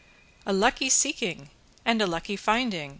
"A lucky seeking and a lucky finding!"